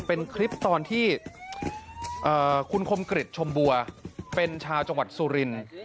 เป็นคลิปตอนที่คุณคมกริจชมบัวเป็นชาวจังหวัดสุรินทร์